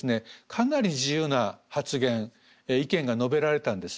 かなり自由な発言意見が述べられたんです。